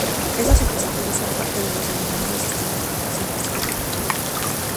Estos dispositivos son parte de los denominados sistemas de protección pasiva contra fuego.